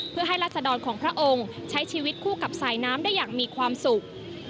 เพื่อให้รัศดรของพระองค์ใช้ชีวิตคู่กับสายน้ำได้อย่างมีความสุข